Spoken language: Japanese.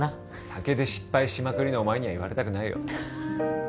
酒で失敗しまくりのお前には言われたくないよ